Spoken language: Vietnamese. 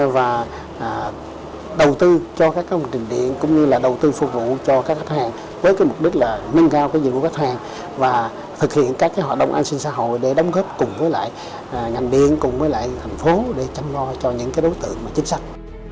và đầu tư cho các công trình điện cũng như là đầu tư phục vụ cho các khách hàng với mục đích là nâng cao nhận của khách hàng và thực hiện các hoạt động an sinh xã hội để đóng góp cùng với lại ngành điện cùng với lại thành phố để chăm lo cho những đối tượng chính sách